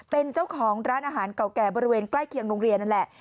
เป็นเจ้าของร้านอาหารเก่าแก่บริเวณใกล้เคียงโรงเรียนนั่นแหละ